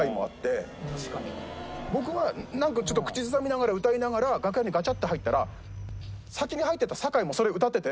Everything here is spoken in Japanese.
僕はなんかちょっと口ずさみながら歌いながら楽屋にガチャッて入ったら先に入ってた酒井もそれ歌ってて。